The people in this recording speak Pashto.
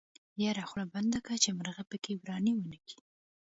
يره خوله بنده که چې مرغۍ پکې ورانی ونکي.